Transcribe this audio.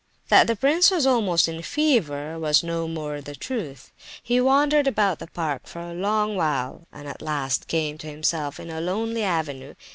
That the prince was almost in a fever was no more than the truth. He wandered about the park for a long while, and at last came to himself in a lonely avenue.